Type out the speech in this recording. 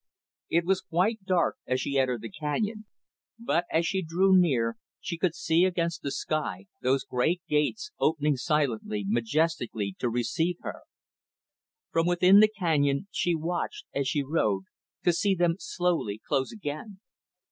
It was quite dark as she entered the canyon; but, as she drew near, she could see against the sky, those great gates, opening silently, majestically to receive her. From within the canyon, she watched, as she rode, to see them slowly close again.